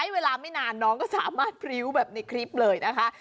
เวลาไม่นานน้องก็สามารถพริ้วแบบในคลิปเลยนะคะ